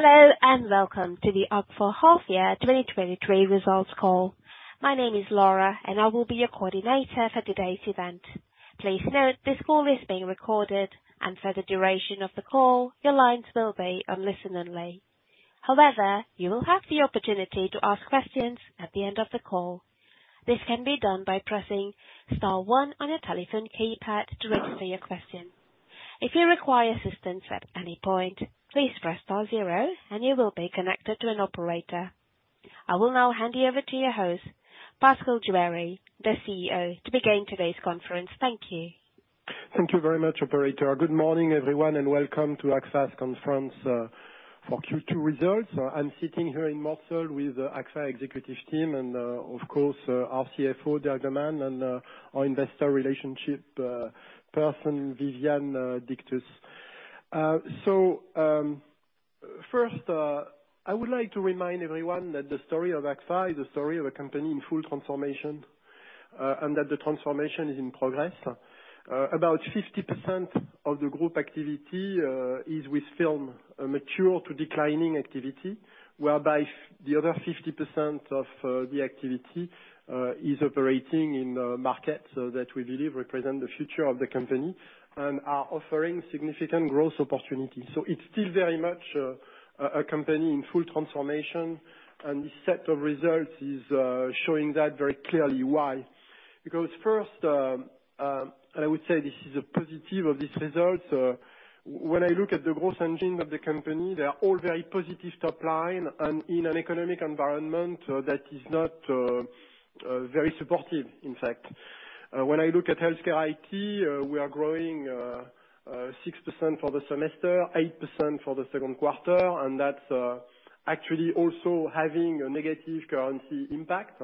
Hello, welcome to the Agfa-Gevaert half year 2023 results call. My name is Laura, and I will be your coordinator for today's event. Please note, this call is being recorded, and for the duration of the call, your lines will be on listen only. However, you will have the opportunity to ask questions at the end of the call. This can be done by pressing star one on your telephone keypad to raise for your question. If you require assistance at any point, please press star zero and you will be connected to an operator. I will now hand you over to your host, Pascal Juéry, the CEO, to begin today's conference. Thank you. Thank you very much, operator. Good morning, everyone, and welcome to Agfa's conference for Q2 results. I'm sitting here in Marseille with Agfa executive team, and of course, our CFO, Dirk De Man, and our investor relationship person, Viviane Dictus. First, I would like to remind everyone that the story of Agfa is a story of a company in full transformation, and that the transformation is in progress. About 50% of the group activity is with film, a mature to declining activity, whereby the other 50% of the activity is operating in the market, so that we believe represent the future of the company, and are offering significant growth opportunities. It's still very much a company in full transformation, and this set of results is showing that very clearly why. First, and I would say this is a positive of this result, when I look at the growth engine of the company, they are all very positive top line, and in an economic environment that is not very supportive, in fact. When I look at HealthCare IT, we are growing 6% for the semester, 8% for the second quarter, and that's actually also having a negative currency impact,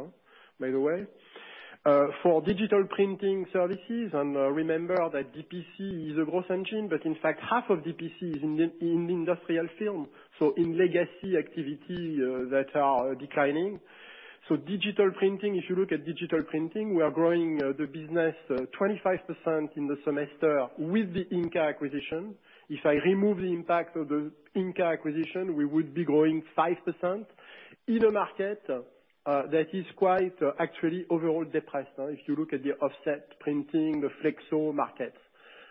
by the way. For digital printing services, and remember that DPC is a growth engine, but in fact, half of DPC is in the, in the industrial film, so in legacy activity, that are declining. Digital printing, if you look at digital printing, we are growing the business 25% in the semester with the Inca acquisition. If I remove the impact of the Inca acquisition, we would be growing 5% in a market that is quite actually overall depressed, if you look at the offset printing, the flexo market.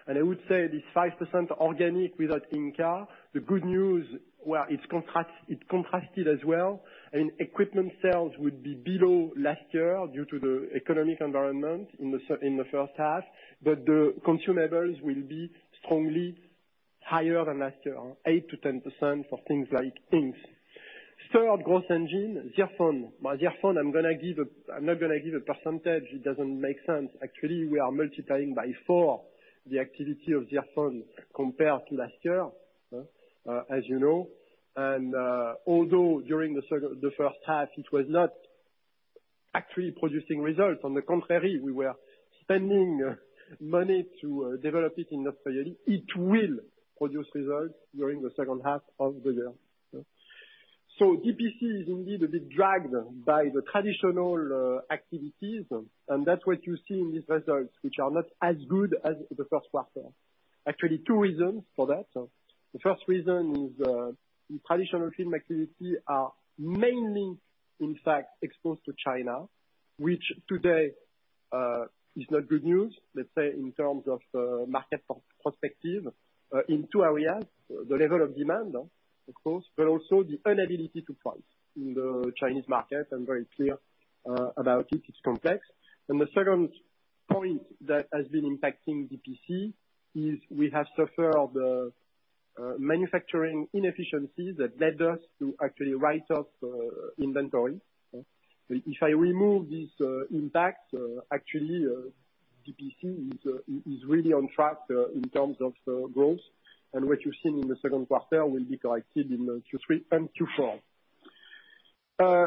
I would say this 5% organic without Inca, the good news, where it contrasted as well, and equipment sales would be below last year due to the economic environment in the first half, but the consumables will be strongly higher than last year, 8-10% for things like inks. Third growth engine, Zirfon. My Zirfon, I'm gonna give a. I'm not gonna give a percentage, it doesn't make sense. Actually, we are multiplying by 4 the activity of Zirfon compared to last year, as you know. Although during the first half, it was not actually producing results, on the contrary, we were spending money to develop it industrially, it will produce results during the second half of the year. DPC is indeed a bit dragged by the traditional activities, and that's what you see in these results, which are not as good as the first quarter. Actually, 2 reasons for that. The first reason is, the traditional film activity are mainly, in fact, exposed to China, which today is not good news, let's say, in terms of market perspective, in 2 areas, the level of demand, of course, but also the inability to price in the Chinese market. I'm very clear about it, it's complex. The second point that has been impacting DPC is we have suffered manufacturing inefficiencies that led us to actually write off inventory. If I remove this impact, actually, DPC is, is, is really on track in terms of growth, and what you've seen in the second quarter will be corrected in Q3 and Q4.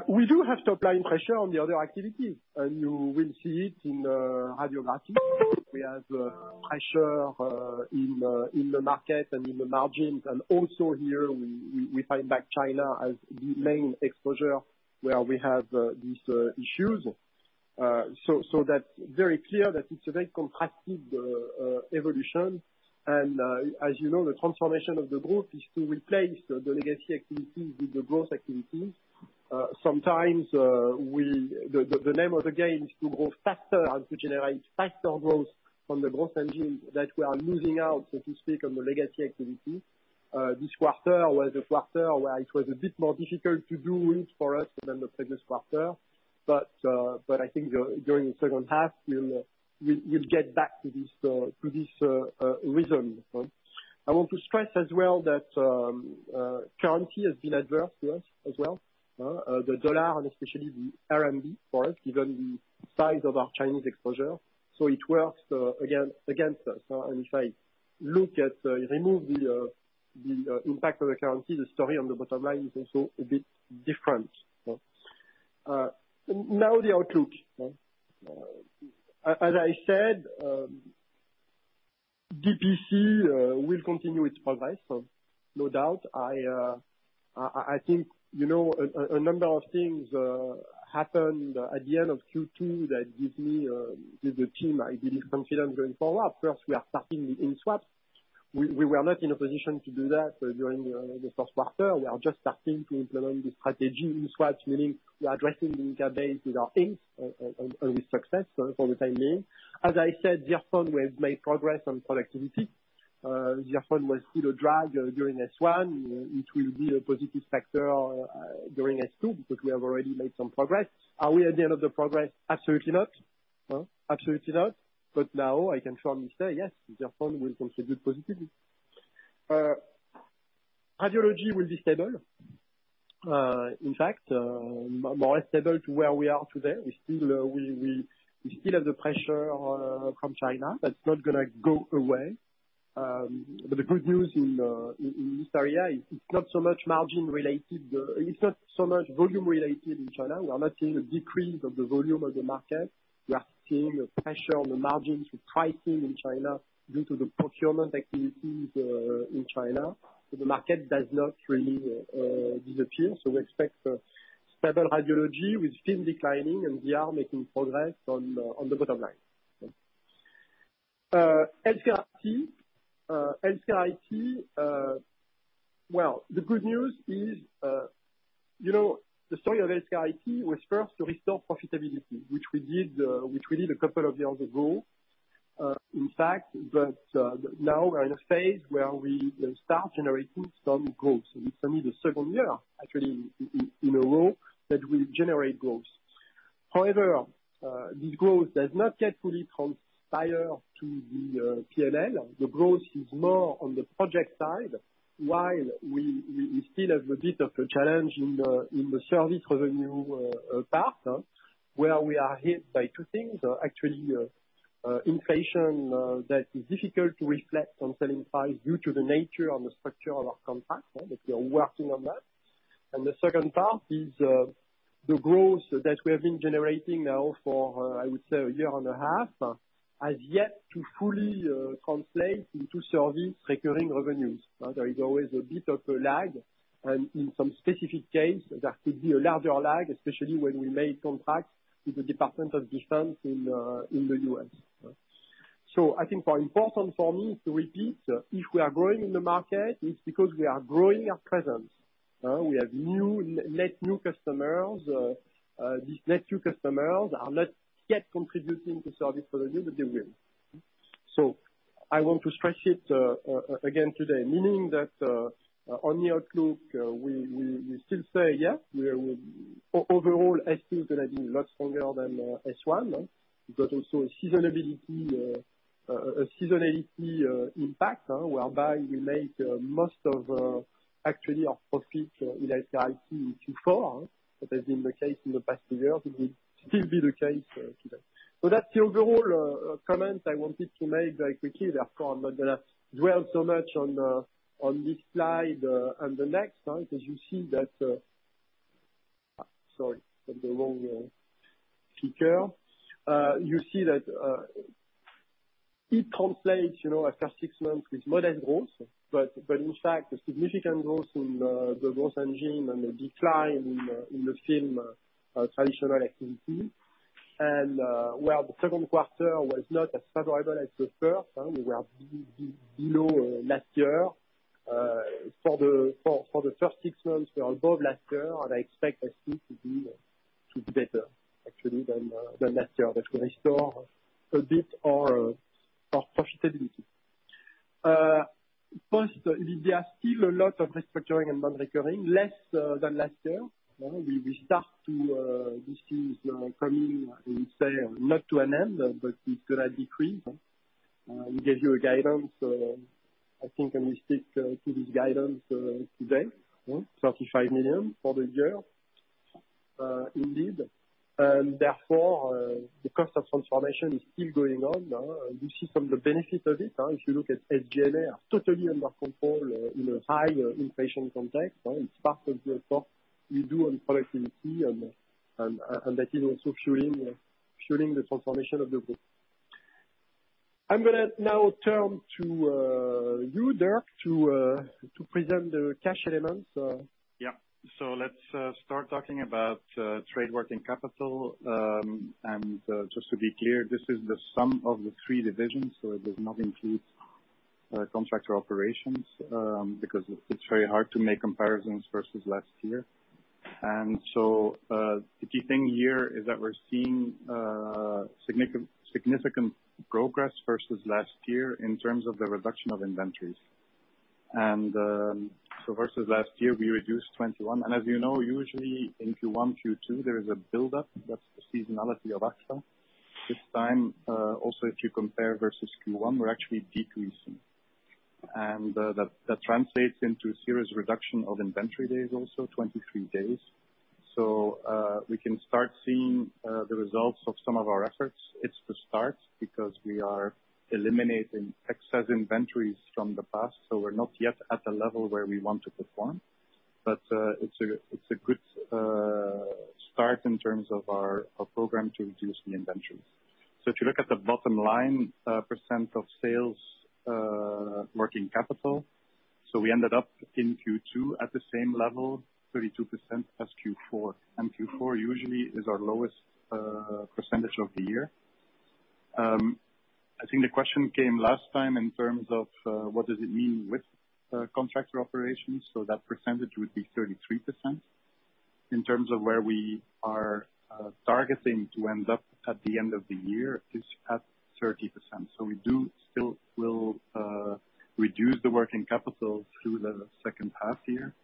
We do have top line pressure on the other activities, and you will see it in radiographics. We have pressure in the market and in the margins, and also here, we, we, we find back China as the main exposure where we have these issues. So, so that's very clear that it's a very contrasted evolution. As you know, the transformation of the group is to replace the legacy activities with the growth activities. Sometimes, the name of the game is to grow faster and to generate faster growth from the growth engine that we are losing out, so to speak, on the legacy activity. This quarter was a quarter where it was a bit more difficult to do it for us than the previous quarter, but I think during the second half, we'll, we'll get back to this, to this rhythm. I want to stress as well that currency has been adverse to us as well, the dollar and especially the RMB, for us, given the size of our Chinese exposure, so it works again, against us. If I look at, remove the impact of the currency, the story on the bottom line is also a bit different. Now the outlook. As I said, DPC will continue its advance, so no doubt. I, I, I think, you know, a number of things happened at the end of Q2 that give me, give the team, I believe, confidence going forward. First, we are starting the interest swaps, we were not in a position to do that during the first quarter. We are just starting to implement this strategy in swaps, meaning we are addressing the with our in, on, on with success for the time being. As I said, Zirfon, we have made progress on productivity. Zirfon was a true drag during S1, it will be a positive factor during S2, because we have already made some progress. Are we at the end of the progress? Absolutely not. No, absolutely not. Now I can firmly say, yes, Zirfon will contribute positively. Radiology will be stable. In fact, more, more stable to where we are today. We still, we still have the pressure from China, that's not gonna go away. The good news in this area, it's not so much margin related, it's not so much volume related in China. We are not seeing a decrease of the volume of the market. We are seeing a pressure on the margins with pricing in China due to the procurement activities in China. The market does not really disappear. We expect stable radiology with film declining, and we are making progress on the bottom line. HealthCare IT, HealthCare IT, well, the good news is, you know, the story of HealthCare IT was first to restore profitability, which we did, which we did 2 years ago. In fact, but now we're in a phase where we start generating some growth. It's only the second year, actually, in a row, that we generate growth. However, this growth does not yet fully transpire to the PNL. The growth is more on the project side, while we, we, we still have a bit of a challenge in the service revenue part, where we are hit by two things. Actually, inflation that is difficult to reflect on selling price due to the nature and the structure of our contract, but we are working on that. The second part is, the growth that we have been generating now for, I would say a year and a half, has yet to fully translate into service recurring revenues. There is always a bit of a lag, and in some specific cases, there could be a larger lag, especially when we make contracts with the Department of Defense in the U.S. I think more important for me to repeat, if we are growing in the market, it's because we are growing our presence. We have new, net new customers. These net new customers are not yet contributing to service revenue, but they will. I want to stress it again today, meaning that on the outlook, we, we, we still say, yeah, we will. Overall, S2 is gonna be a lot stronger than S1. We've got also a seasonality impact, whereby we make most of actually our profit in HealthCare IT in Q4, that has been the case in the past years, it will still be the case today. That's the overall comment I wanted to make very quickly. Of course, I'm not gonna dwell so much on this slide and the next, because you see that. Sorry, I'm the wrong speaker. You see that, it translates, you know, after 6 months with moderate growth, but, in fact, a significant growth in the growth engine and a decline in the, in the same traditional activity. Where the second quarter was not as favorable as the first, we are below last year. For the first 6 months, we are above last year, and I expect this year to be, to be better actually than last year. That will restore a bit our profitability. First, there are still a lot of restructuring and non-recurring, less than last year. We start to, this is coming, I would say, not to an end, but it's gonna decrease. We gave you a guidance, I think, and we stick to this guidance, today, 35 million for the year, indeed. Therefore, the cost of transformation is still going on, and you see some of the benefit of it. If you look at SG&A, are totally under control, in a high inflation context. It's part of the work we do on productivity and, and that is also fueling fueling the transformation of the group. I'm gonna now turn to you, Dirk, to present the cash elements. Yeah. Let's start talking about trade working capital. Just to be clear, this is the sum of the 3 divisions, so it does not include contract or operations, because it's very hard to make comparisons versus last year. So the key thing here is that we're seeing significant, significant progress versus last year in terms of the reduction of inventories. So versus last year, we reduced 21, and as you know, usually in Q1, Q2, there is a buildup. That's the seasonality of Agfa. This time, also, if you compare versus Q1, we're actually decreasing. That, that translates into a serious reduction of inventory days, also, 23 days. We can start seeing the results of some of our efforts. It's the start, because we are eliminating excess inventories from the past, so we're not yet at the level where we want to perform, but it's a good start in terms of our program to reduce the inventory. If you look at the bottom line, percent of sales, working capital... We ended up in Q2 at the same level, 32% as Q4, and Q4 usually is our lowest percentage of the year. I think the question came last time in terms of what does it mean with contractor operations, so that percentage would be 33%. In terms of where we are targeting to end up at the end of the year, is at 30%. We do still will reduce the working capital through the second half here,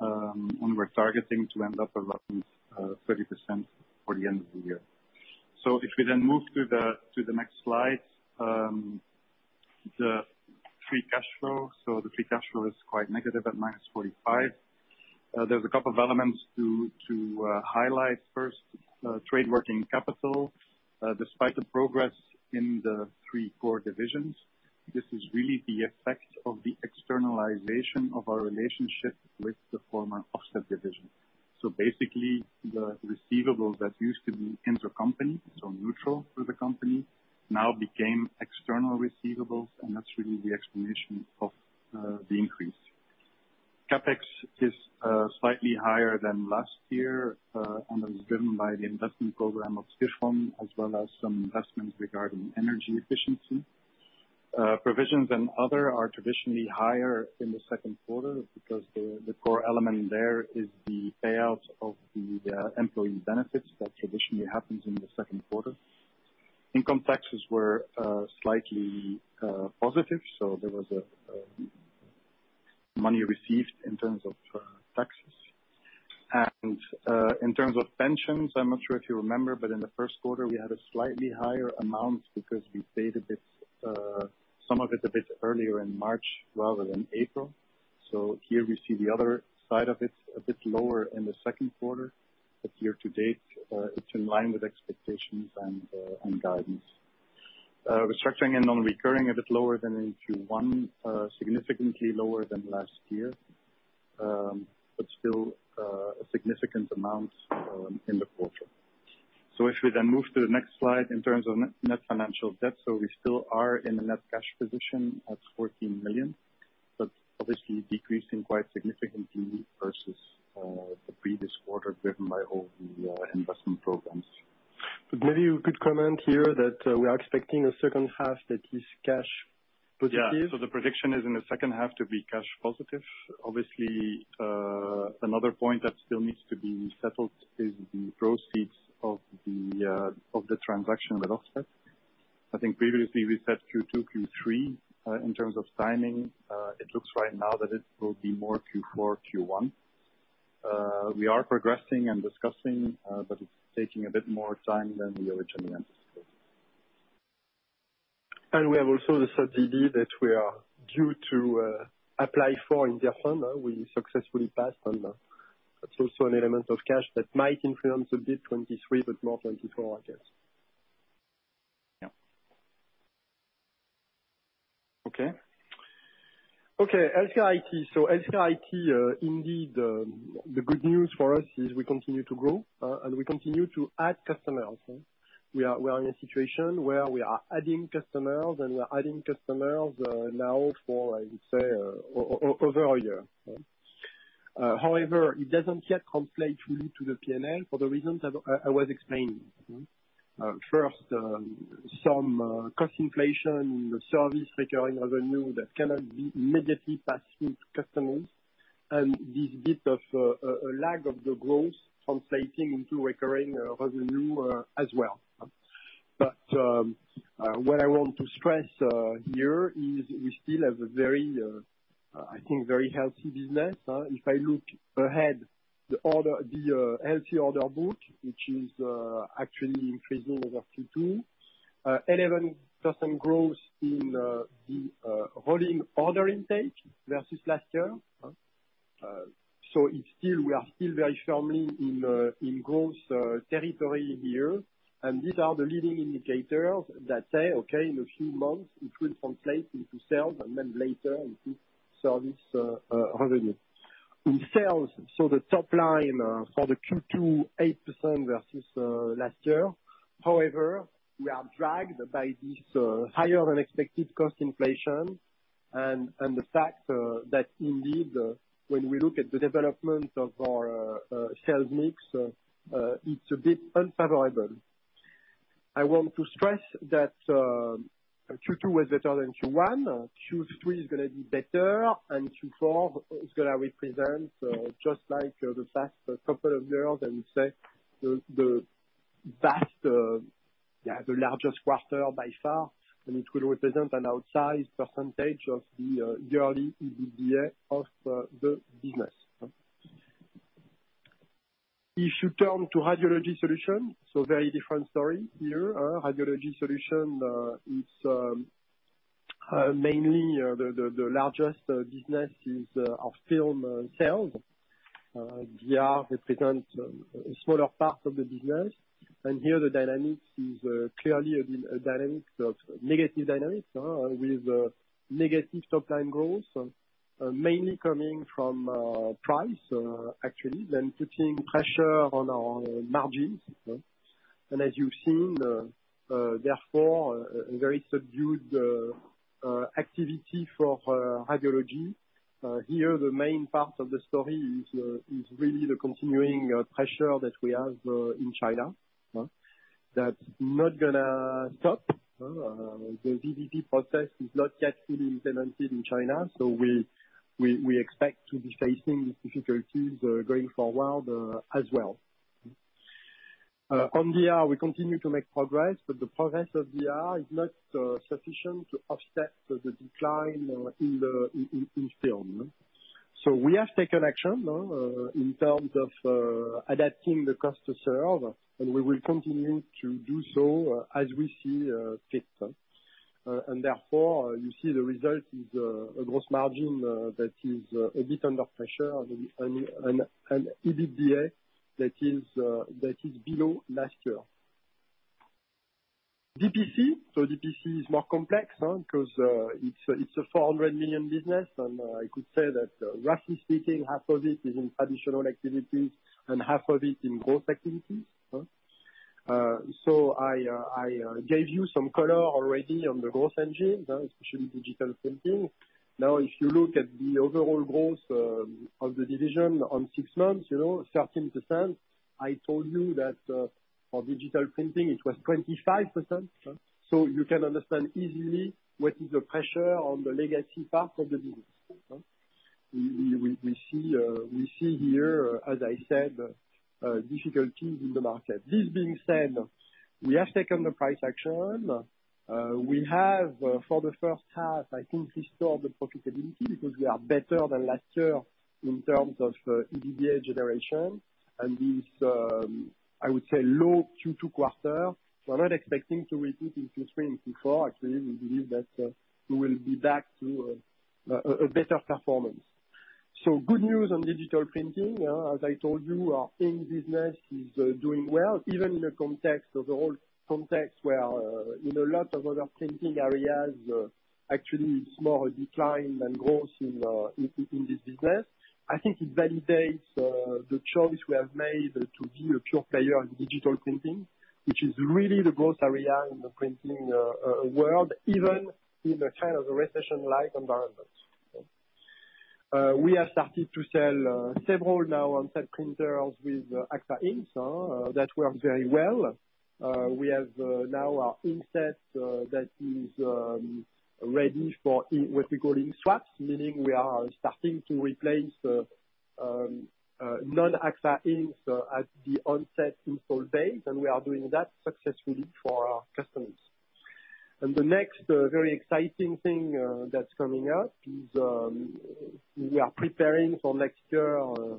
and we're targeting to end up around 30% for the end of the year. If we then move to the next slide, the free cash flow. The free cash flow is quite negative at -45. There's a couple of elements to highlight. First, trade working capital, despite the progress in the three core divisions, this is really the effect of the externalization of our relationship with the former Offset division. Basically, the receivables that used to be intercompany, neutral to the company, now became external receivables, and that's really the explanation of the increase. CapEx is slightly higher than last year and is driven by the investment program of Zirfon, as well as some investments regarding energy efficiency. Provisions and other are traditionally higher in the second quarter, because the core element there is the payouts of the employee benefits that traditionally happens in the second quarter. Income taxes were slightly positive, so there was a money received in terms of taxes. In terms of pensions, I'm not sure if you remember, but in the first quarter we had a slightly higher amount because we paid a bit some of it a bit earlier in March, rather than April. Here we see the other side of it, a bit lower in the second quarter, but year to date, it's in line with expectations and guidance. Restructuring and non-recurring a bit lower than in Q1, significantly lower than last year, but still a significant amount in the quarter. If we then move to the next slide in terms of net financial debt, we still are in the net cash position at 14 million, but obviously decreasing quite significantly versus the previous quarter, driven by all the investment programs. Maybe you could comment here that we are expecting a second half that is cash positive? The prediction is in the second half to be cash positive. Obviously, another point that still needs to be settled is the proceeds of the transaction with Offset. I think previously we said Q2, Q3, in terms of timing. It looks right now that it will be more Q4, Q1. We are progressing and discussing, but it's taking a bit more time than we originally anticipated. We have also the subsidy that we are due to apply for. We successfully passed and it's also an element of cash that might influence a bit 2023, but more 2024, I guess. Yeah. Okay. Okay, LKIT. LKIT, indeed, the good news for us is we continue to grow, and we continue to add customers. We are, we are in a situation where we are adding customers, and we are adding customers, now for, I would say, over a year. However, it doesn't yet translate fully to the PNL for the reasons I, I was explaining. First, some cost inflation in the service recurring revenue that cannot be immediately passed through to customers. This bit of a lack of the growth translating into recurring revenue as well. What I want to stress here is we still have a very, I think, very healthy business. If I look ahead, the order, the healthy order book, which is actually increasing over Q2, 11% growth in the rolling order intake versus last year. It's still, we are still very firmly in growth territory here, and these are the leading indicators that say, "Okay, in a few months it will translate into sales, and then later into service revenue." In sales, so the top line for the Q2, 8% versus last year. However, we are dragged by this higher-than-expected cost inflation and the fact that indeed, when we look at the development of our sales mix, it's a bit unfavorable. I want to stress that Q2 was better than Q1. Q3 is gonna be better, and Q4 is gonna represent, just like the past couple of years, and we say the, the vast, yeah, the largest quarter by far, and it will represent an outsized percentage of the yearly EBITDA of the business. If you turn to Radiology Solutions, very different story here. Radiology Solutions, it's mainly the, the, the largest business is our film sales. DR represent a smaller part of the business, and here the dynamics is clearly a dynamic of negative dynamics, with negative top line growth, mainly coming from price, actually, then putting pressure on our margins. As you've seen, therefore, a very subdued activity for radiology. Here, the main part of the story is really the continuing pressure that we have in China, huh? That's not gonna stop, the VBP process is not yet fully implemented in China, so we, we, we expect to be facing difficulties going forward as well. On DR, we continue to make progress, but the progress of DR is not sufficient to offset the decline in film. We have taken action in terms of adapting the cost to serve, and we will continue to do so as we see fit. Therefore, you see the result is a gross margin that is a bit under pressure and an EBITDA that is below last year. DPC, DPC is more complex 'cause it's a 400 million business, I could say that roughly speaking, half of it is in traditional activities, and half of it in growth activities. I gave you some color already on the growth engine, especially digital printing. Now, if you look at the overall growth of the division on 6 months, you know, 13%, I told you that for digital printing it was 25%. You can understand easily what is the pressure on the legacy part of the business. We, we, we, we see, we see here, as I said, difficulties in the market. This being said, we have taken the price action, we have for the first half, I think, restored the profitability, because we are better than last year in terms of EBITDA generation. This, I would say, low Q2 quarter, we're not expecting to repeat in Q3 and Q4, actually, we believe that we will be back to a better performance. Good news on digital printing, as I told you, our ink business is doing well, even in the context of the whole context, where in a lot of other printing areas, actually it's more a decline than growth in this business. I think it validates the choice we have made to be a pure player in digital printing, which is really the growth area in the printing world, even in a kind of a recession-like environment. We have started to sell several now Onset printers with Agfa inks that worked very well. We have now our ink set that is ready for in- what we in swaps, meaning we are starting to replace the non-Agfa inks at the Onset install base, and we are doing that successfully for our customers. The next very exciting thing that's coming up is, we are preparing for next year, I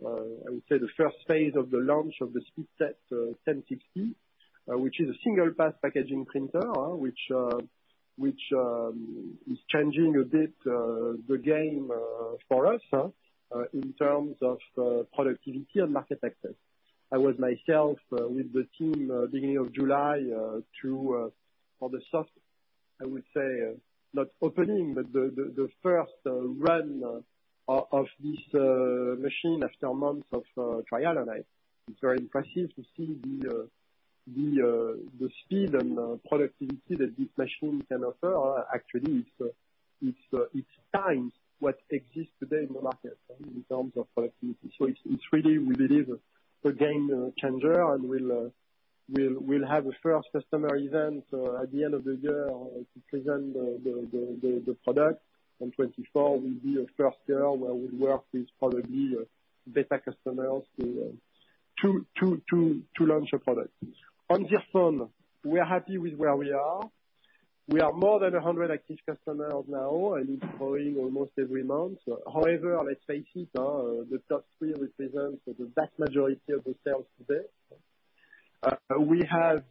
would say the first phase of the launch of the SpeedSet 1060, which is a single path packaging printer, which, which, is changing a bit the game for us in terms of productivity and market access. I was myself with the team beginning of July to for the soft, I would say, not opening, but the first run of this machine after months of trial, and it's very impressive to see the speed and productivity that this machine can offer. Actually, it's times what exists today in the market in terms of productivity. It's, it's really, we believe, a game changer, and we'll, we'll, we'll have a 1st customer event at the end of the year to present the product. In 2024, we'll be a 1st year where we work with probably the beta customers to launch a product. On Zirfon, we are happy with where we are. We are more than 100 active customers now, and it's growing almost every month. However, let's face it, the top 3 represent the vast majority of the sales today. We have,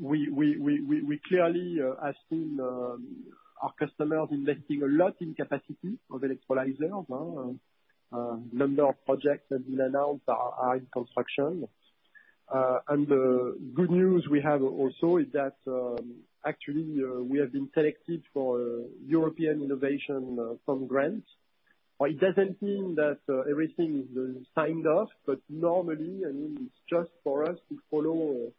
we, we, we, we, we clearly have seen our customers investing a lot in capacity of electrolyzer, number of projects that been announced are, are in construction. The good news we have also is that, actually, we have been selected for Innovation Fund from grant. It doesn't mean that everything is signed off, but normally, I mean, it's just for us to follow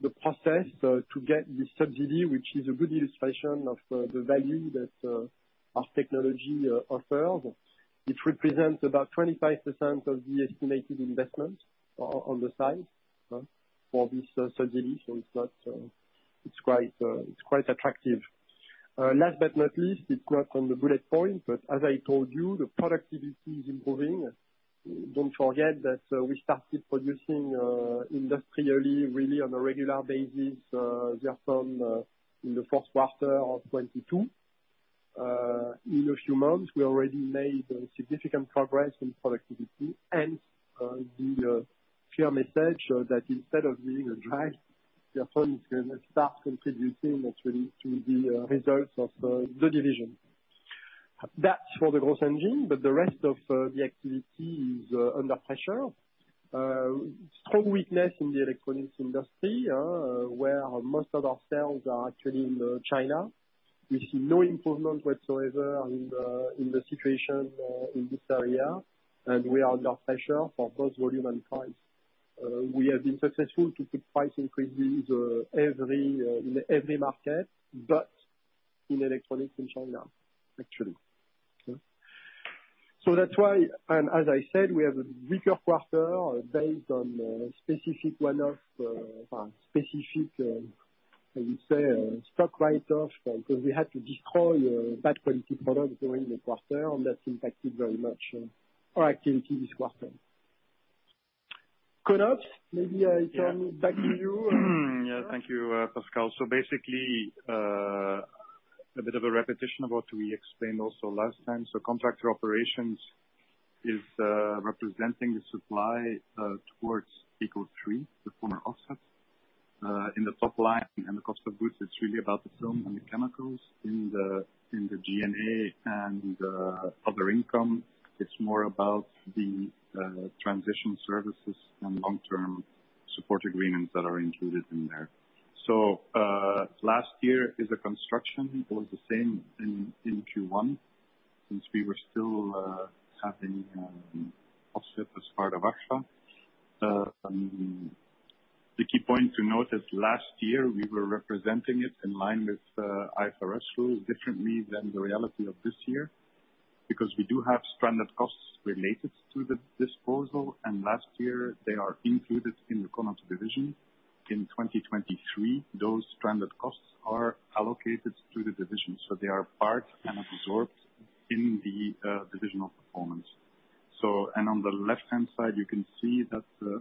the process to get the subsidy, which is a good illustration of the value that our technology offers. It represents about 25% of the estimated investment on the site for this subsidy, so it's not, it's quite, it's quite attractive. Last but not least, it's not on the bullet point, but as I told you, the productivity is improving. Don't forget that we started producing industrially, really on a regular basis, just from in the fourth quarter of 2022. In a few months, we already made significant progress in productivity, and the clear message that instead of being a drag, the phone is gonna start contributing actually to the results of the division. That's for the growth engine, but the rest of the activity is under pressure. Strong weakness in the electronics industry, where most of our sales are actually in China. We see no improvement whatsoever on the, in the situation, in this area, and we are under pressure for both volume and price. We have been successful to put price increases, every, in every market, but in electronics in China, actually. That's why, and as I said, we have a weaker quarter based on, specific one-off, specific, I would say, stock write-off, because we had to destroy, bad quality products during the quarter, and that impacted very much, our activity this quarter. CONOPS, maybe I turn back to you. Yeah, thank you, Pascal. Basically, a bit of a repetition of what we explained also last time. Contract operations is representing the supply towards, the former Offset. In the, in the GMA and other income, it's more about the transition services and long-term support agreements that are included in there. Last year is a construction, it was the same in, in Q1, since we were still having Offset as part of Agfa. And the key point to note is last year, we were representing it in line with IFRS rules differently than the reality of this year, because we do have stranded costs related to the disposal, and last year they are included in the CONOPS division. In 2023, those stranded costs are allocated to the division, so they are part and absorbed in the divisional performance. On the left-hand side, you can see that the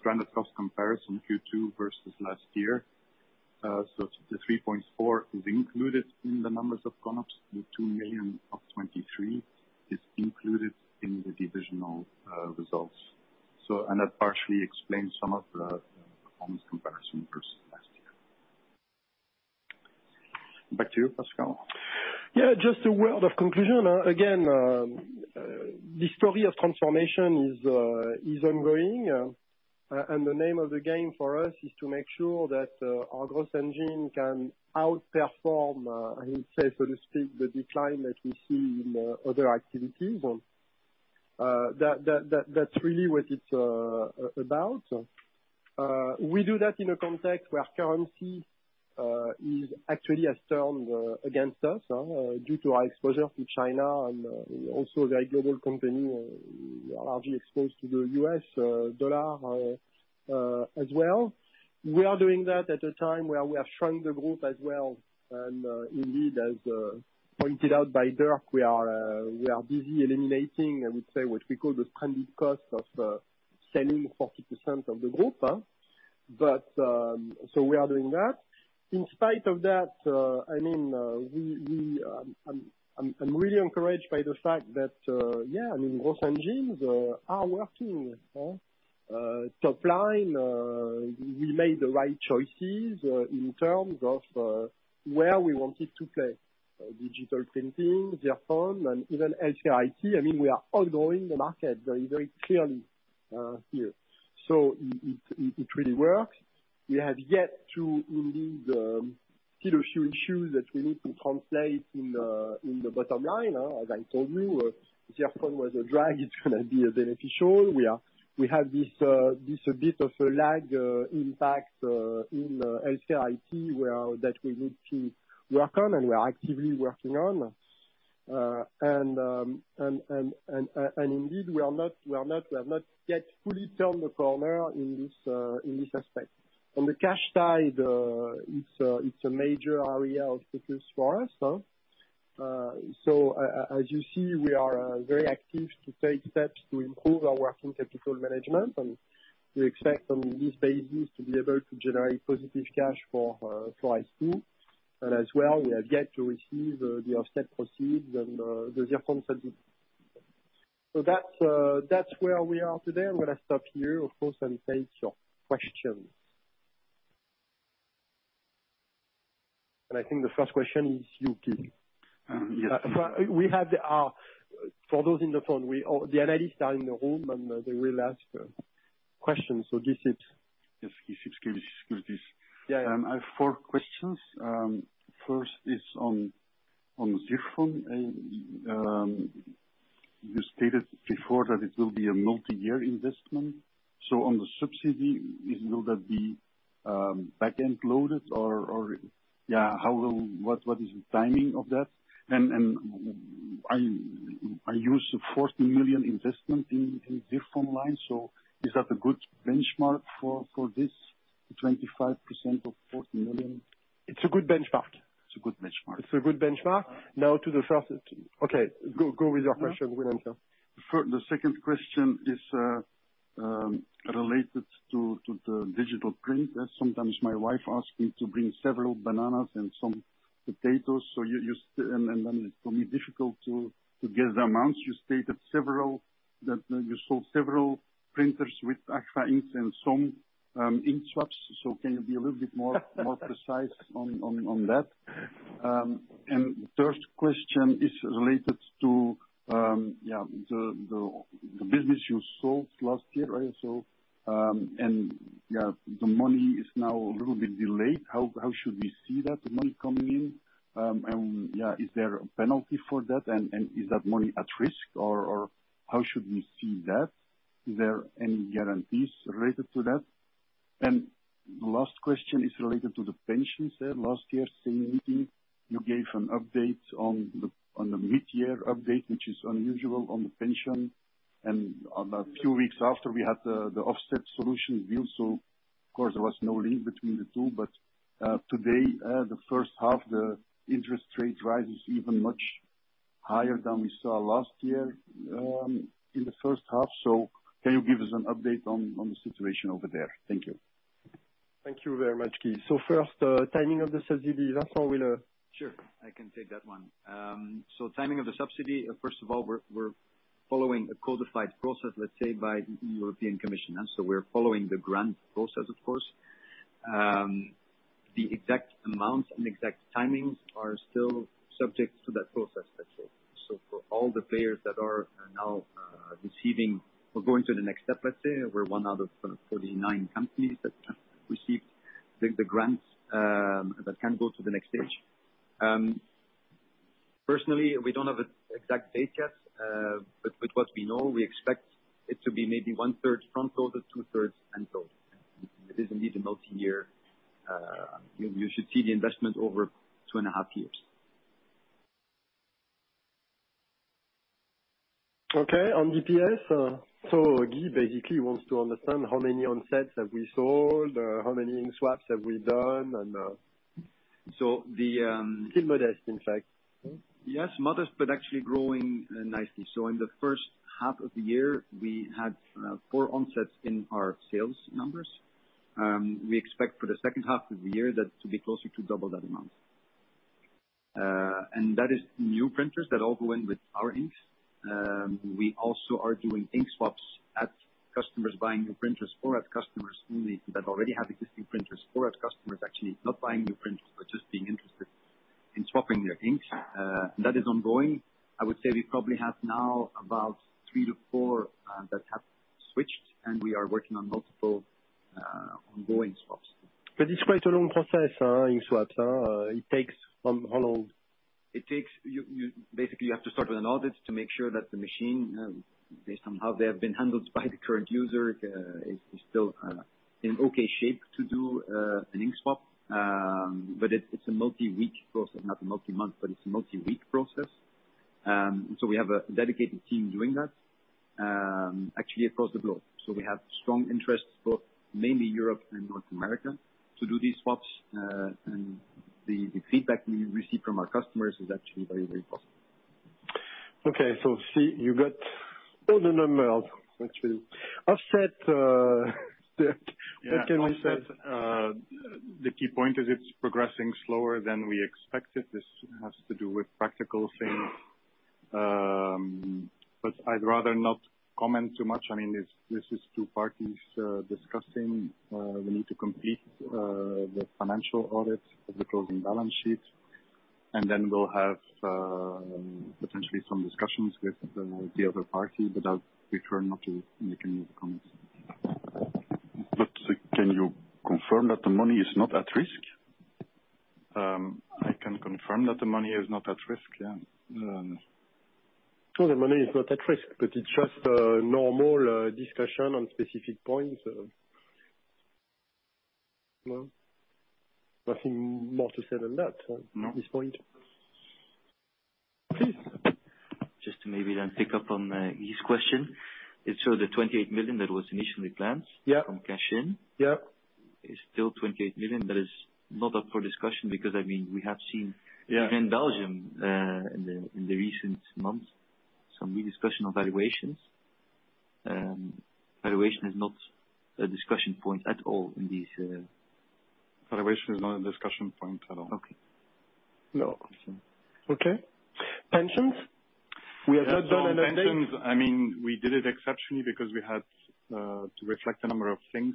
stranded cost comparison, Q2 versus last year. The 3.4 million is included in the numbers of CONOPS. The 2 million of 2023 is included in the divisional results. That partially explains some of the performance comparison versus last year. Back to you, Pascal. Yeah, just a word of conclusion. Again, the story of transformation is is ongoing, and the name of the game for us is to make sure that our growth engine can outperform, I would say, so to speak, the decline that we see in other activities. That, that, that, that's really what it's about. We do that in a context where currency is actually has turned against us, due to our exposure to China and also the global company, largely exposed to the U.S. dollar as well. We are doing that at a time where we are shrinking the group as well. Indeed, as pointed out by Dirk, we are we are busy eliminating, I would say, what we call the stranded cost of selling 40% of the group. We are doing that. In spite of that, I mean, we, we, I'm, I'm really encouraged by the fact that, yeah, I mean, growth engines are working top line. We made the right choices in terms of where we wanted to play, digital printing, Zirfon and even HCIT. I mean, we are all growing the market very, very clearly here. It, it, it really works. We have yet to indeed, fill our shoes that we need to translate in the bottom line. As I told you, Zirfon was a drag, it's gonna be a beneficial. We have this, this a bit of a lag, impact in HCIT, where that we need to work on, and we are actively working on. Indeed, we are not, we are not, we have not yet fully turned the corner in this, in this aspect. On the cash side, it's a, it's a major area of focus for us, so, as you see, we are very active to take steps to improve our working capital management, and we expect on this basis to be able to generate positive cash for I2. As well, we have yet to receive the, the offset proceeds and the Zirfon subsidy. That's, that's where we are today. I'm gonna stop here, of course, and take your questions. I think the first question is you, Keith. Yes. We have the. For those in the phone, we, all the analysts are in the room. They will ask questions. Yes, yes, excuse me. Excuse please. Yeah. I have four questions. First is on Zirfon, and you stated before that it will be a multi-year investment. On the subsidy, will that be back-end loaded or, yeah, what is the timing of that? I use the 40 million investment in Zirfon line, is that a good benchmark for this 25% of 40 million? It's a good benchmark. It's a good benchmark. It's a good benchmark. Now to the first-- Okay, go, go with your question, go ahead, sir. The second question is related to the digital print. Sometimes my wife asks me to bring several bananas and some potatoes, so you, you, and then it's for me difficult to get the amounts. You stated several, that you sold several printers with Agfa inks and some ink swaps. Can you be a little bit more-more precise on that? The third question is related to... yeah, the business you sold last year, right? Yeah, the money is now a little bit delayed. How should we see that money coming in? Yeah, is there a penalty for that, and is that money at risk, or how should we see that? Is there any guarantees related to that? Last question is related to the pensions there. Last year, same meeting, you gave an update on the mid-year update, which is unusual on the pension. A few weeks after, we had the Offset Solutions view, of course there was no link between the two. Today, the first half, the interest rate rise is even much higher than we saw last year, in the first half. Can you give us an update on the situation over there? Thank you. Thank you very much, Guy. First, timing of the subsidy, Vincent will. Sure, I can take that one. Timing of the subsidy, first of all, we're, we're following a codified process, let's say, by European Commission, and so we're following the grant process, of course. The exact amounts and exact timings are still subject to that process, that's all. For all the players that are, are now, receiving... We're going to the next step, let's say. We're one out of kind of 49 companies that can receive the, the grants, that can go to the next stage. Personally, we don't have an exact date yet, but with what we know, we expect it to be maybe 1/3 frontload to 2/3 endload. It is indeed a multi-year... you, you should see the investment over two and a half years. Okay, on DPS, Guy basically wants to understand how many Onsets have we sold, how many ink swaps have we done, and... So the, um- Still modest, in fact. Yes, modest, but actually growing, nicely. In the first half of the year, we had, 4 Onsets in our sales numbers. We expect for the second half of the year, that to be closely to double that amount. That is new printers that all go in with our inks. We also are doing ink swaps, at customers buying new printers or as customers who need, that already have existing printers, or as customers actually not buying new printers, but just being interested in swapping their inks. That is ongoing. I would say we probably have now about 3-4, that have switched, and we are working on multiple, ongoing swaps. It's quite a long process, ink swaps, it takes how, how long? It takes... You, you basically, you have to start with an audit to make sure that the machine, based on how they have been handled by the current user, is, is still in okay shape to do an ink swap. It's, it's a multi-week process, not a multi-month, but it's a multi-week process. We have a dedicated team doing that, actually across the globe. We have strong interest, both mainly Europe and North America, to do these swaps. The, the feedback we receive from our customers is actually very, very positive. Okay, so see, you got all the numbers, actually. Offset, what can you say? Yeah, offset, the key point is it's progressing slower than we expected. This has to do with practical things. I'd rather not comment too much. I mean, this, this is two parties discussing. We need to complete the financial audit of the closing balance sheet, then we'll have potentially some discussions with the, the other party, but I'll prefer not to make any comments. Can you confirm that the money is not at risk? I can confirm that the money is not at risk, yeah. The money is not at risk, but it's just a normal discussion on specific points. Nothing more to say than that. No... at this point. Please. Just to maybe then pick up on Guy's question. So the 28 million that was initially planned- Yeah... from cash in. Yeah. Is still 28 million, that is not up for discussion, because, I mean, we have seen- Yeah... even in Belgium, in the, in the recent months, some new discussion on valuations. Valuation is not a discussion point at all in these. Valuation is not a discussion point at all. Okay. No. Thank you. Okay. Pensions? We have not done an update... Pensions, I mean, we did it exceptionally because we had to reflect a number of things.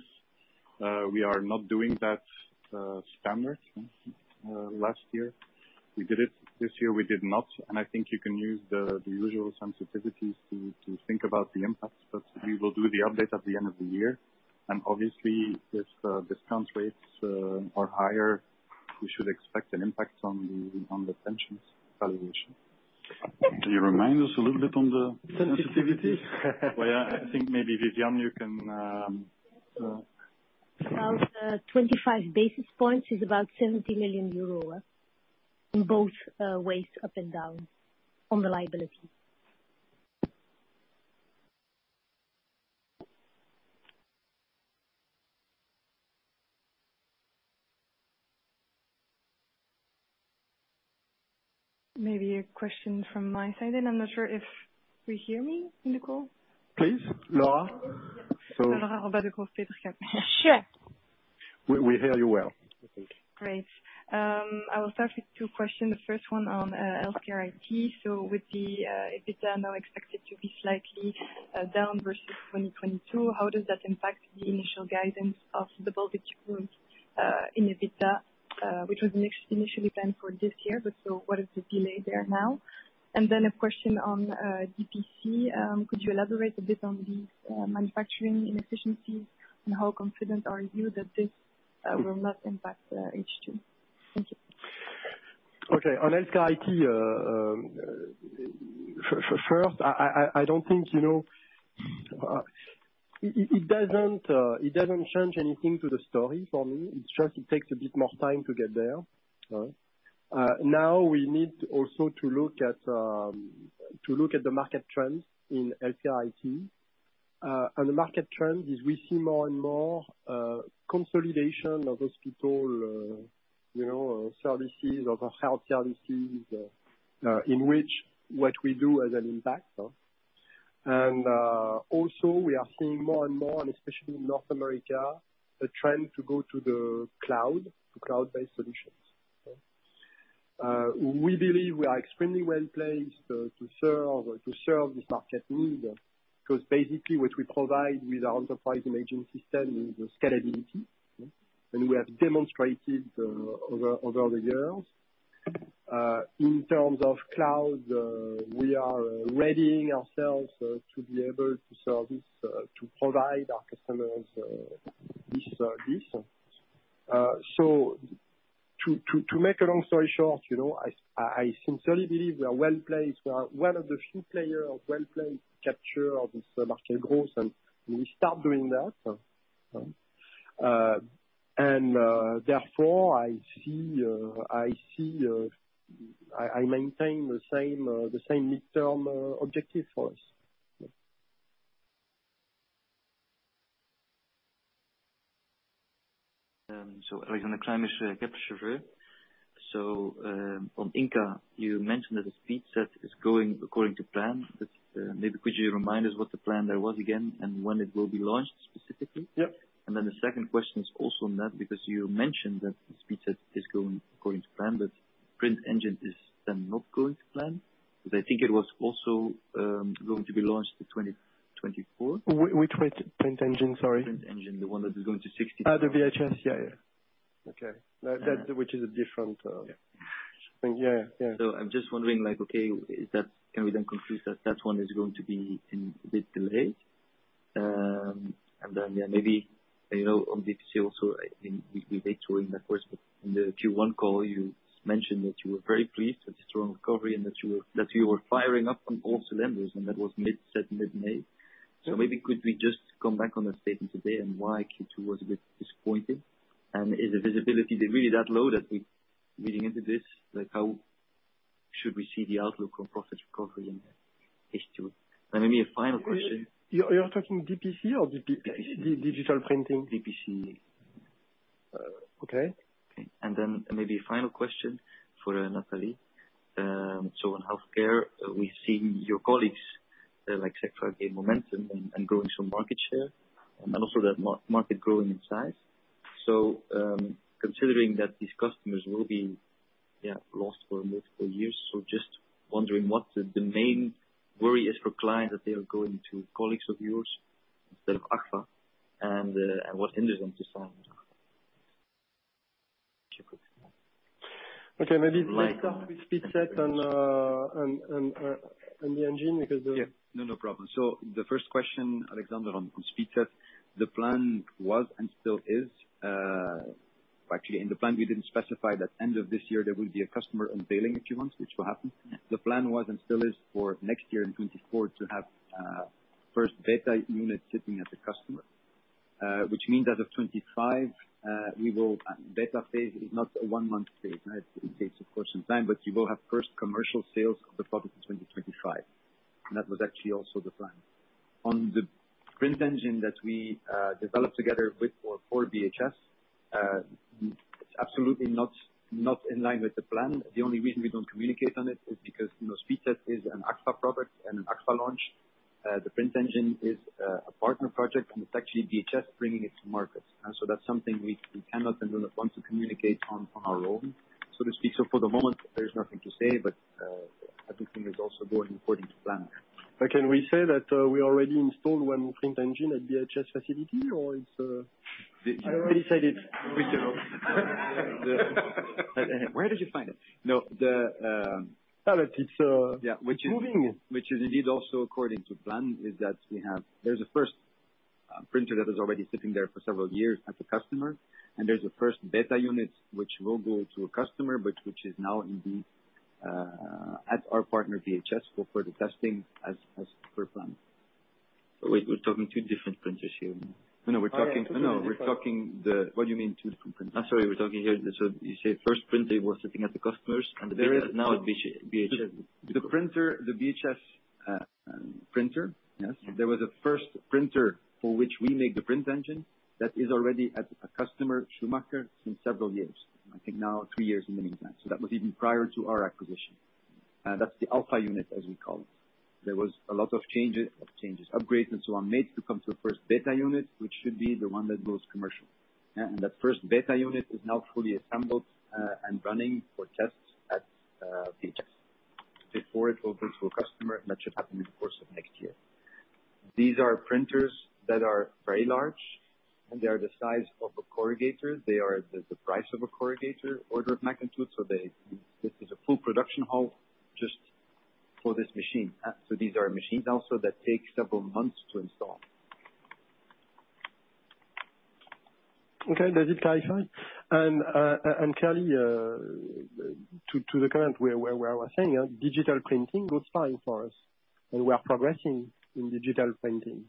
We are not doing that standard. Last year, we did it, this year we did not, and I think you can use the, the usual sensitivities to, to think about the impact. We will do the update at the end of the year, and obviously, if discount rates are higher, we should expect an impact on the pensions valuation. Can you remind us a little bit on the? Sensitivity?... sensitivity? Well, yeah, I think maybe Vivian, you can. About, 25 basis points is about 70 million euro, in both, ways, up and down, on the liability. Maybe a question from my side. I'm not sure if you hear me in the call? Please, Laura. Laura Roba, from Degroof Petercam. Sure! We, we hear you well. Great. I will start with 2 questions. The first one on HealthCare IT. With the Inca now acquired- should be slightly down versus 2022. How does that impact the initial guidance of the in the vita, which was initially planned for this year? What is the delay there now? Then a question on DPC. Could you elaborate a bit on the manufacturing inefficiencies? How confident are you that this will not impact H2? Thank you. Okay. On HealthCare IT, I, I, I don't think, you know, it, it, it doesn't, it doesn't change anything to the story for me. It's just, it takes a bit more time to get there. Now we need also to look at, to look at the market trends in HealthCare IT. And the market trend is we see more and more consolidation of those people, you know, services, of the health services, in which what we do has an impact on. And also we are seeing more and more, and especially in North America, a trend to go to the cloud, to cloud-based solutions. We believe we are extremely well placed to serve this market need, because basically what we provide with our Enterprise Imaging system is scalability, and we have demonstrated over the years. In terms of cloud, we are readying ourselves to be able to service, to provide our customers, this. So to make a long story short, you know, I, I sincerely believe we are well-placed. We are one of the few players well-placed to capture this market growth, and we start doing that. Therefore, I see I maintain the same midterm objective for us. Alexandre Craeymeersch. On Inca, you mentioned that the SpeedSet is going according to plan. Maybe could you remind us what the plan there was again, and when it will be launched specifically? Yep. The second question is also on that, because you mentioned that the SpeedSet is going according to plan, but print engine is then not going to plan. I think it was also going to be launched in 2024. Which print engine, sorry? Print engine, the one that is going to sixty- Ah, the BHS. Yeah, yeah. Okay. Yeah. That, that which is a different... Yeah. Yeah. Yeah. I'm just wondering, okay, can we then conclude that that one is going to be in a bit delayed? Then, yeah, maybe, you know, on DPC also, I think we, we went during that first, but in the Q1 call, you mentioned that you were very pleased with the strong recovery and that you were, that you were firing up on all cylinders, and that was mid-May. Maybe could we just come back on that statement today, and why Q2 was a bit disappointing? Is the visibility really that low that we leading into this, like, how should we see the outlook on profit recovery in Q2? Maybe a final question. You, you're talking DPC or DP-? DPC. Digital printing? DPC. Okay. Maybe a final question for Natalie. In healthcare, we've seen your colleagues, like sector gain momentum and, and growing some market share, and also the market growing in size. Considering that these customers will be, yeah, lost for multiple years, just wondering what the, the main worry is for clients that they are going to colleagues of yours instead of Agfa, and what hinders them to sign with Agfa? Okay, maybe let's start with SpeedSet and, and, and the engine, because. Yeah. No, no problem. The first question, Alexander, on, on SpeedSet, the plan was and still is. Actually, in the plan, we didn't specify that end of this year there will be a customer unveiling a few months, which will happen. The plan was and still is for next year, in 2024, to have first beta unit sitting at the customer. Which means as of 2025, beta phase is not a 1-month phase, right? It takes, of course, some time, but you will have first commercial sales of the product in 2025. That was actually also the plan. On the print engine that we developed together with or for BHS, it's absolutely not, not in line with the plan. The only reason we don't communicate on it, is because, you know, SpeedSet is an Agfa product and an Agfa launch. The print engine is a partner project, and it's actually BHS bringing it to market. That's something we, we cannot and do not want to communicate on, on our own, so to speak. For the moment, there's nothing to say, but everything is also going according to plan. Can we say that, we already installed one print engine at BHS facility, or it's? Decided we cannot. Where did you find it? No, the, it's, Yeah. Moving. Which is, indeed, also according to plan, is that there's a first printer that is already sitting there for several years as a customer, and there's a first beta unit, which will go to a customer, but which is now in the at our partner, BHS, for the testing as per planned. We're talking 2 different printers here. No, we're. I. No, we're talking the... What do you mean 2 different printers? I'm sorry, we're talking here, so you say first printer was sitting at the customers and the beta is now at BHS. The printer, the BHS printer, yes. There was a first printer for which we make the print engine, that is already at a customer, Schumacher, since several years. I think now three years in the meantime, so that was even prior to our acquisition. That's the alpha unit, as we call it. There was a lot of changes, upgrades, and so on, made to come to the first beta unit, which should be the one that goes commercial. The first beta unit is now fully assembled and running for tests at BHS, before it opens to a customer, and that should happen in the course of next year. These are printers that are very large, and they are the size of a corrugator. They are the price of a corrugator, order of magnitude. This is a full production halt just for this machine. These are machines also that take several months to install. Okay, that is clarified. Clearly, to the current, where I was saying, digital printing goes fine for us, and we are progressing in digital printing.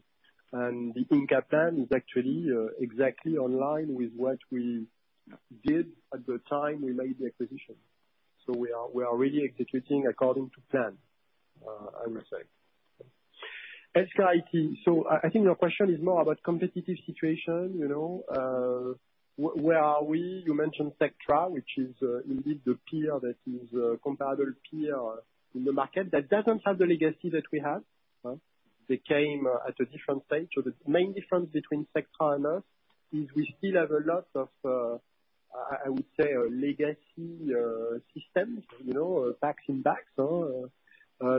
The ink plan is actually exactly online with what we did at the time we made the acquisition. We are really executing according to plan, I would say. As for IT, I think your question is more about competitive situation, you know. Where are we? You mentioned Sectra, which is indeed, the peer that is a comparable peer in the market, that doesn't have the legacy that we have, huh? They came at a different stage. The main difference between Sectra and us, is we still have a lot of, I, I would say, legacy, systems, you know, PACS and RIS,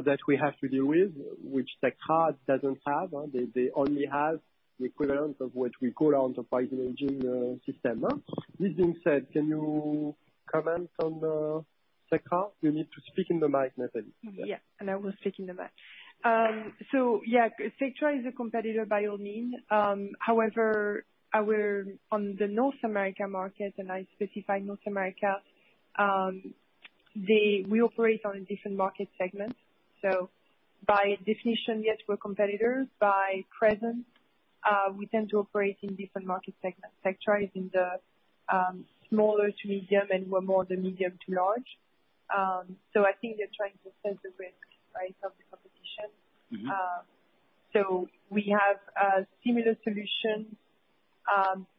that we have to deal with, which Sectra doesn't have. They, they only have the equivalent of what we call our Enterprise Imaging, system, huh? This being said, can you comment on Sectra? You need to speak in the mic, Nathalie. Mm-hmm. Yeah, I will speak in the mic. Yeah, Sectra is a competitor by all means. However, our... On the North America market, and I specify North America, we operate on different market segments. By definition, yes, we're competitors. By presence, we tend to operate in different market segments. Sectra is in the smaller to medium, and we're more the medium to large. I think they're trying to set the risk, right, of the competition. Mm-hmm. We have similar solutions,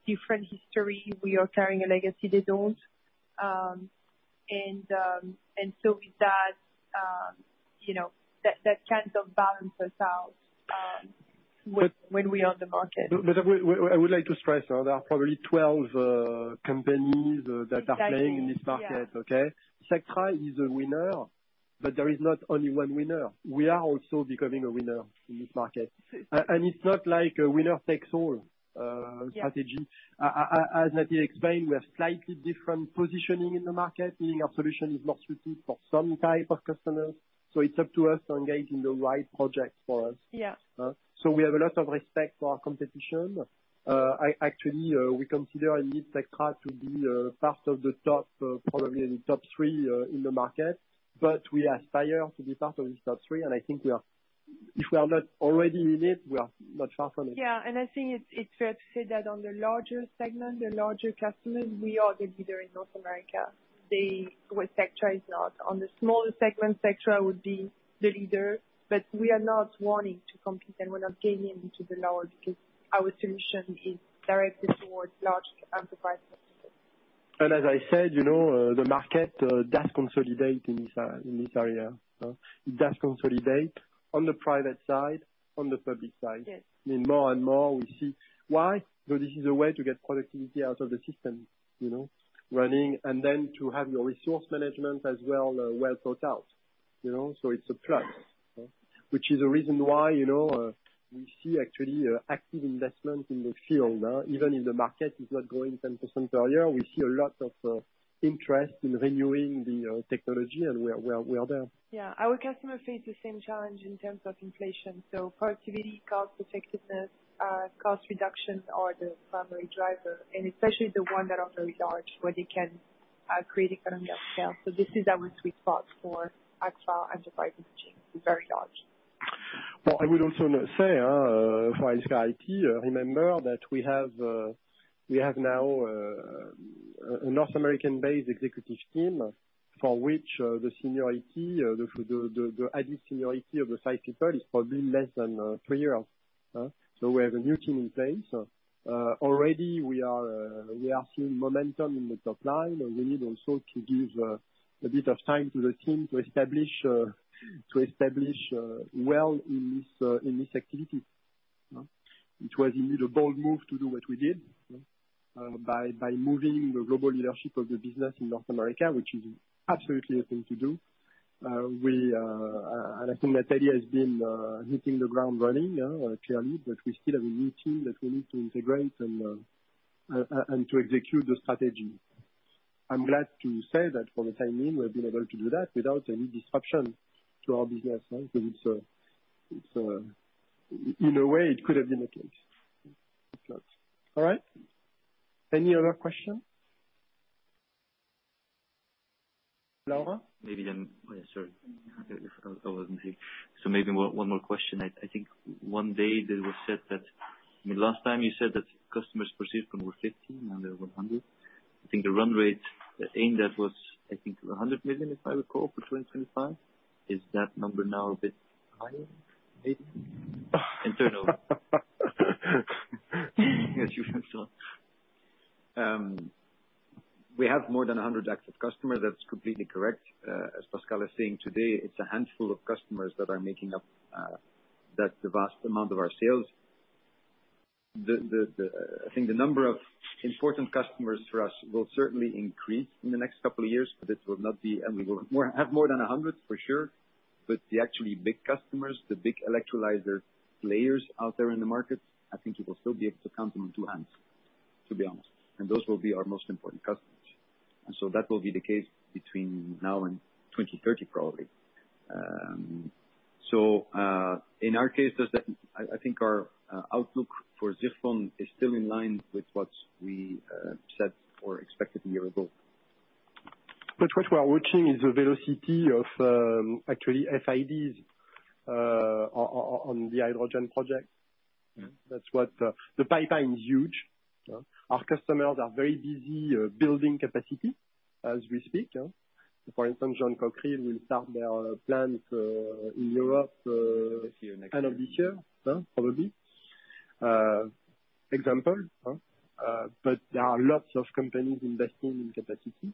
different history. We are carrying a legacy they don't. And so with that, you know, that, that kind of balances out. But- when, when we are on the market. I would like to stress, there are probably 12 companies. Exactly. that are playing in this market, okay? Sectra is a winner, but there is not only one winner. We are also becoming a winner in this market. It's not like a winner takes all. Yeah... strategy. As Nathalie explained, we have slightly different positioning in the market, meaning our solution is not suited for some type of customers, so it's up to us to engage in the right project for us. Yeah. We have a lot of respect for our competition. I actually, we consider Indeed Sectra to be part of the top, probably in the top three, in the market. We aspire to be part of this top three, and I think we are, if we are not already in it, we are not far from it. Yeah, I think it's, it's fair to say that on the larger segment, the larger customers, we are the leader in North America. They, well, Sectra is not. On the smaller segment, Sectra would be the leader, but we are not wanting to compete and we're not getting into the lower, because our solution is directed towards large enterprise customers. As I said, you know, the market does consolidate in this in this area. It does consolidate on the private side, on the public side. Yes. I mean, more and more we see. Why? This is a way to get productivity out of the system, you know, running, and then to have your resource management as well, well thought out, you know. It's a plus, which is a reason why, you know, we see actually active investment in the field, even in the market is not growing 10% earlier. We see a lot of interest in renewing the technology and we are, we are, we are there. Yeah. Our customer face the same challenge in terms of inflation, so productivity, cost effectiveness, cost reduction are the primary driver, and especially the ones that are very large, where they can, create economy of scale. This is our sweet spot for XL enterprise machine, very large. Well, I would also say, for IT, remember that we have, we have now, a North American-based executive team, for which the added seniority of the site people is probably less than 3 years. We have a new team in place. Already we are seeing momentum in the top line, and we need also to give a bit of time to the team to establish, to establish, well in this, in this activity. It was indeed a bold move to do what we did, by, by moving the global leadership of the business in North America, which is absolutely a thing to do. We, and I think Nathalie has been hitting the ground running clearly, but we still have a new team that we need to integrate and to execute the strategy. I'm glad to say that for the time being, we've been able to do that without any disruption to our business, because it's, it's... In a way, it could have been the case. All right. Any other questions? Laura? Oh, yeah, sorry. I wasn't here. Maybe one more question. I think one day it was said that... I mean, last time you said that customers perceived them were 50, now they're 100. I think the run rate, the aim that was, I think, 100 million, if I recall, for 2025. Is that number now a bit higher, maybe? In turnover. Yes, you said so.... We have more than 100 active customers, that's completely correct. As Pascal is saying today, it's a handful of customers that are making up that the vast amount of our sales. I think the number of important customers for us will certainly increase in the next couple of years, but this will not be, and we will more, have more than 100, for sure. But the actually big customers, the big electrolyzer players out there in the market, I think you will still be able to count them on two hands, to be honest. Those will be our most important customers. That will be the case between now and 2030, probably. In our cases, I think our outlook for Zirfon is still in line with what we said or expected a year ago. What we're watching is the velocity of, actually FID, on the hydrogen project. Mm-hmm. That's what, the pipeline is huge. Our customers are very busy, building capacity as we speak, yeah? For instance, John Cockerill will start their plans, in Europe. This year, next year. End of this year, yeah, probably. Example, there are lots of companies investing in capacity.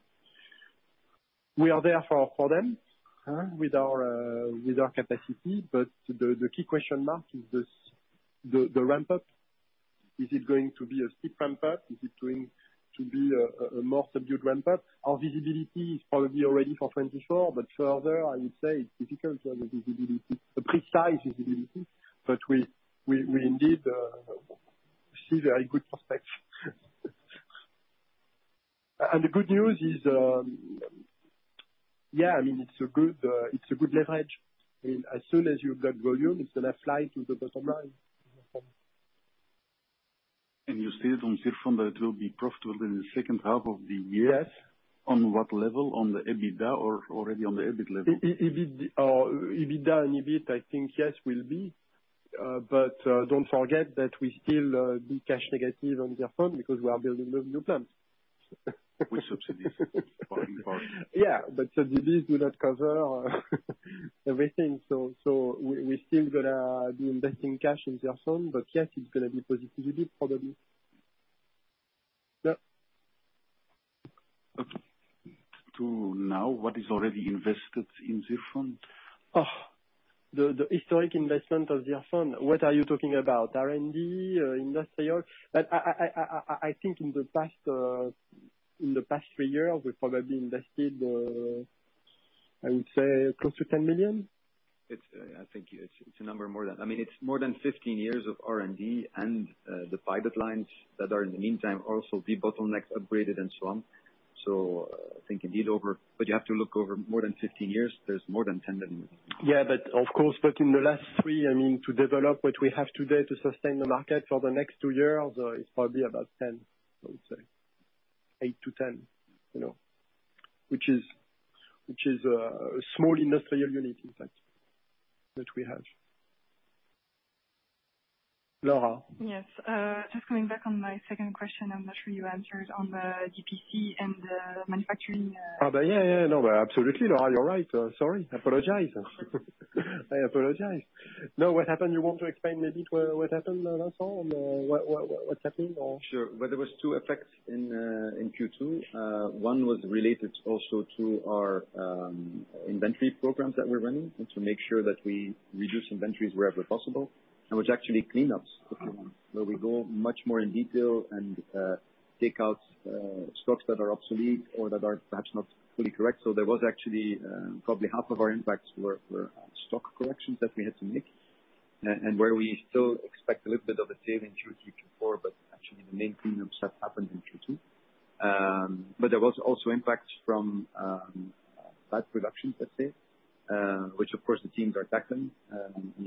We are there for, for them, with our, with our capacity, the, the key question mark is this, the, the ramp up. Is it going to be a steep ramp up? Is it going to be a, a, more subdued ramp up? Our visibility is probably already for 2024. Further, I would say it's difficult to have a visibility, a precise visibility. We, we, we indeed, see very good prospects. The good news is, yeah, I mean, it's a good, it's a good leverage. I mean, as soon as you've got volume, it's the left slide to the bottom line. You see it on Zirfon that it will be profitable in the second half of the year? Yes. On what level, on the EBITDA or already on the EBIT level? EBITDA and EBIT, I think yes, we'll be. Don't forget that we still do cash negative on Zirfon because we are building the new plants. With subsidies, on part. Subsidies do not cover everything, we still gonna be investing cash in Zirfon, but yes, it's gonna be positive EBITDA, probably. Yeah. Okay. To now, what is already invested in Zirfon? Oh, the, the historic investment of Zirfon, what are you talking about? R&D, industrial? I, I, I, I, I, I think in the past, in the past 3 years, we probably invested, I would say close to 10 million. It's, I think it's, it's a number more than... I mean, it's more than 15 years of R&D and, the private lines that are in the meantime, also the bottlenecks upgraded and so on. I think indeed over, but you have to look over more than 15 years, there's more than 10 million. Yeah, but of course, but in the last three, I mean, to develop what we have today to sustain the market for the next two years, it's probably about 10, I would say. 8-10, you know, which is, which is, a small industrial unit, in fact, that we have. Laura? Yes, just coming back on my second question, I'm not sure you answered on the DPC and the manufacturing? Oh, yeah, yeah. No, absolutely, Laura, you're right. Sorry, I apologize. I apologize. No, what happened? You want to explain maybe what, what happened, Laurent, on, what, what, what's happening or? Sure. Well, there was 2 effects in Q2. One was related also to our inventory programs that we're running, and to make sure that we reduce inventories wherever possible, and which actually clean up, where we go much more in detail and take out stocks that are obsolete or that are perhaps not fully correct. There was actually probably half of our impacts were stock corrections that we had to make. Where we still expect a little bit of a tail in Q3, Q4, but actually the main cleanups have happened in Q2. There was also impact from bad production, let's say, which of course the teams are attacking.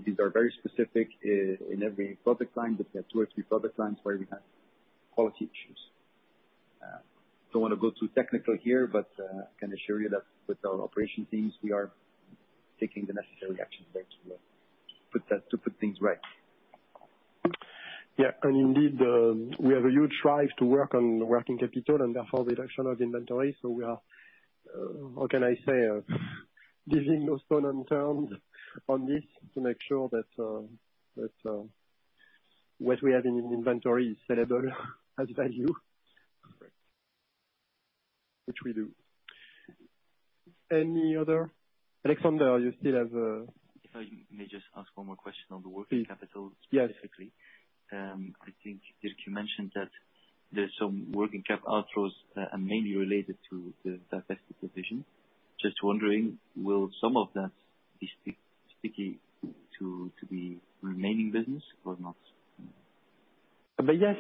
These are very specific in every product line, but there are 2 or 3 product lines where we have quality issues. Don't wanna go too technical here, but can assure you that with our operation teams, we are taking the necessary actions there to put that, to put things right. Yeah, indeed, we have a huge drive to work on working capital and therefore the reduction of inventory, so we are, how can I say, leaving no stone unturned on this to make sure that, that, what we have in inventory is sellable, has value. Correct. Which we do. Any other? Alexander, you still have... If I may just ask one more question on the working capital... Yes. specifically. I think Dirk, you mentioned that there's some working cap outflows, and mainly related to the divested division. Just wondering, will some of that be stick- sticking to, to the remaining business or not? Yes,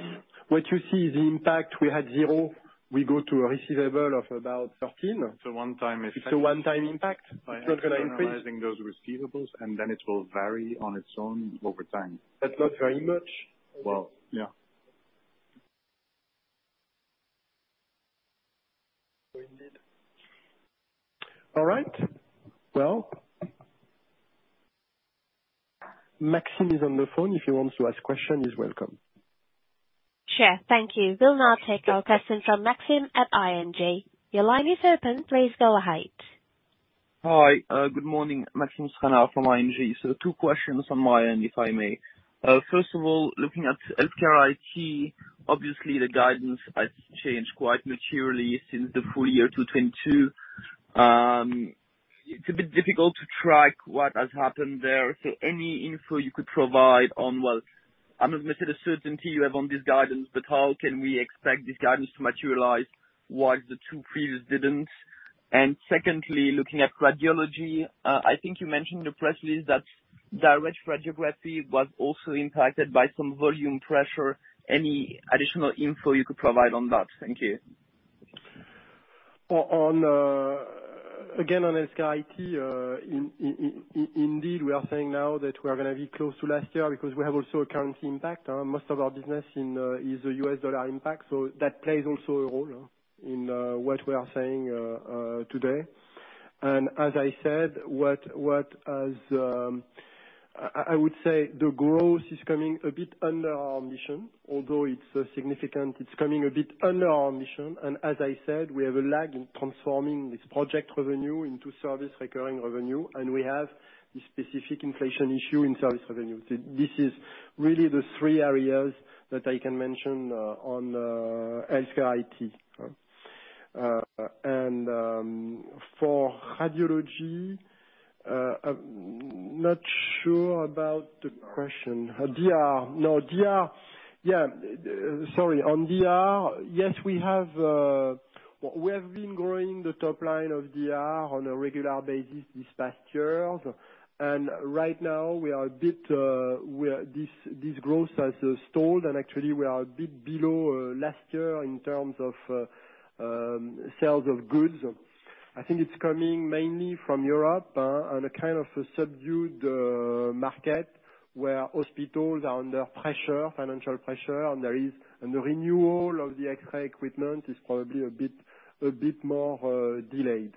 what you see is the impact, we had 0, we go to a receivable of about 13. It's a one-time impact. It's a one-time impact. It's not gonna increase. By analyzing those receivables, and then it will vary on its own over time. That's not very much. Well, yeah. All right. Well, Maxim is on the phone if he wants to ask question, he's welcome. Sure, thank you. We'll now take our question from Maxime at ING. Your line is open, please go ahead.... Hi, good morning, Maxime Stranart from ING. Two questions on my end, if I may. First of all, looking at HealthCare IT, obviously the guidance has changed quite materially since the full year 2022. It's a bit difficult to track what has happened there, so any info you could provide on, well, I'm not sure the certainty you have on this guidance, but how can we expect this guidance to materialize while the 2 previous didn't? Secondly, looking at Radiology, I think you mentioned the press release that Direct Radiography was also impacted by some volume pressure. Any additional info you could provide on that? Thank you. On again, on HealthCare IT, indeed, we are saying now that we are gonna be close to last year because we have also a currency impact. Most of our business in is a US dollar impact, so that plays also a role in what we are saying today. As I said, what, what as I would say the growth is coming a bit under our ambition, although it's significant, it's coming a bit under our ambition. As I said, we have a lag in transforming this project revenue into service recurring revenue, and we have the specific inflation issue in service revenue. This is really the three areas that I can mention on HealthCare IT. And for radiology, I'm not sure about the question. DR, no, DR, yeah, sorry. On DR, yes, we have been growing the top line of DR on a regular basis this past year. Right now, we are a bit where this growth has stalled, and actually we are a bit below last year in terms of sales of goods. I think it's coming mainly from Europe and a kind of a subdued market, where hospitals are under pressure, financial pressure, and the renewal of the X-ray equipment is probably a bit, a bit more delayed.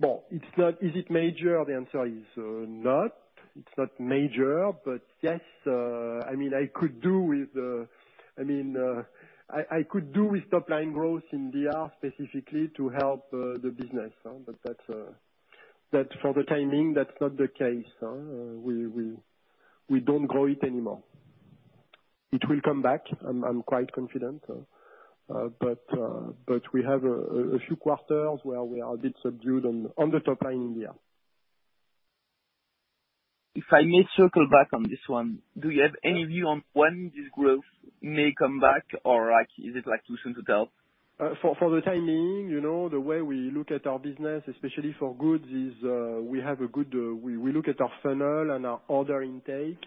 Well, it's not. Is it major? The answer is not. It's not major. Yes, I mean, I could do with top-line growth in DR specifically to help the business, but that's, for the timing, that's not the case. We don't grow it anymore. It will come back, I'm quite confident, but we have a few quarters where we are a bit subdued on the top line, yeah. If I may circle back on this one, do you have any view on when this growth may come back, or like, is it like too soon to tell? For, for the timing, you know, the way we look at our business, especially for goods, is, we look at our funnel and our order intake.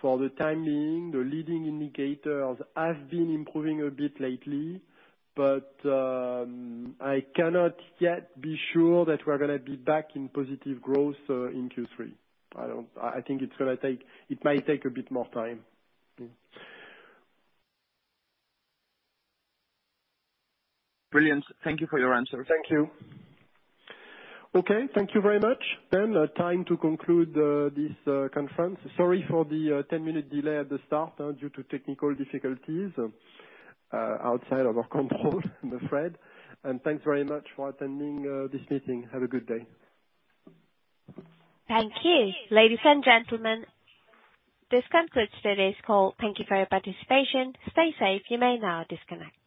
For the time being, the leading indicators have been improving a bit lately, but, I cannot yet be sure that we're gonna be back in positive growth, in Q3. I think it's gonna take, it might take a bit more time. Brilliant. Thank you for your answer. Thank you. Okay, thank you very much. Time to conclude this conference. Sorry for the 10-minute delay at the start due to technical difficulties outside of our control, I'm afraid. Thanks very much for attending this meeting. Have a good day. Thank you. Ladies and gentlemen, this concludes today's call. Thank you for your participation. Stay safe. You may now disconnect.